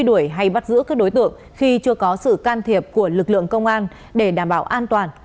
đuổi hay bắt giữ các đối tượng khi chưa có sự can thiệp của lực lượng công an để đảm bảo an toàn